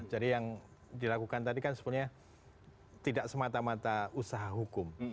jadi yang dilakukan tadi kan sebenarnya tidak semata mata usaha hukum